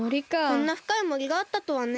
こんなふかいもりがあったとはね。